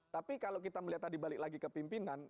tapi kalau kita melihat tadi balik lagi ke pimpinan